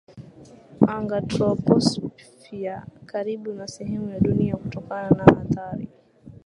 anga troposphere karibu na sehemu ya Dunia kutona na athari